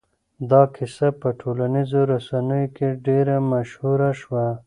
دا کيسه په ټولنيزو رسنيو کې ډېره مشهوره شوه.